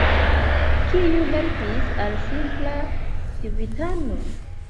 Kiu helpis al simpla civitano?